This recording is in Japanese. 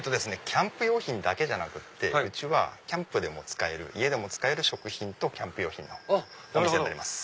キャンプ用品だけじゃなくてキャンプでも使える家でも使える食品とキャンプ用品のお店です。